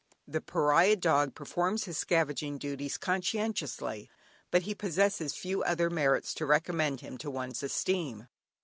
The pariah dog performs his scavenging duties conscientiously, but he possesses few other merits to recommend him to one's esteem.